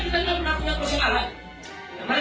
dan mempunyai masukan masukan